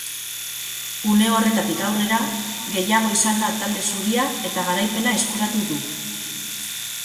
Une horretatik aurrera, gehiago izan da talde zuria eta garaipena eskuratu du.